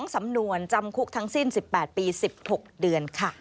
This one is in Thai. สำนวนจำคุกทั้งสิ้น๑๘ปี๑๖เดือนค่ะ